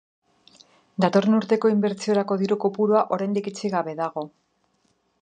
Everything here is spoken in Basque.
Datorren urteko inbertsiorako diru kopurua oraindik itxi gabe dago.